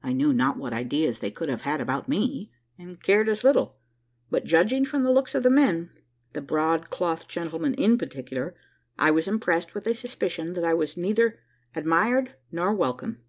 I knew not what ideas they could have had about me, and cared as little: but, judging from the looks of the men the broad cloth gentlemen in particular I was impressed with a suspicion that I was neither admired nor welcome.